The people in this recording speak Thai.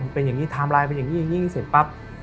เป็นอย่างนี้ไทม์ไลน์เป็นอย่างนี้อย่างนี้เสร็จปั๊บ